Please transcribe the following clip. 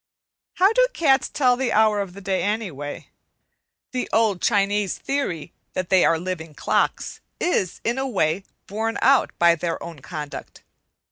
How do cats tell the hour of day, anyway? The old Chinese theory that they are living clocks is, in a way, borne out by their own conduct.